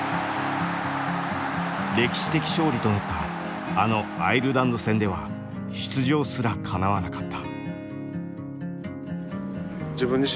歴史的勝利となったあのアイルランド戦では出場すらかなわなかった。